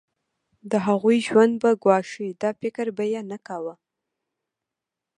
د هغوی ژوند به ګواښي دا فکر به یې نه کاوه.